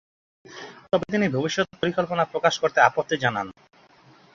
তবে তিনি ভবিষ্যত পরিকল্পনা প্রকাশ করতে আপত্তি জানান।